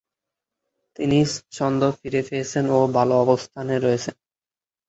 তিনি ছন্দ ফিরে পেয়েছেন ও ভালো অবস্থানে রয়েছেন।